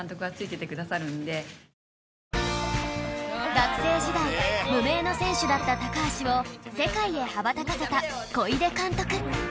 学生時代無名の選手だった高橋を世界へ羽ばたかせた小出監督